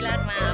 kita buka mata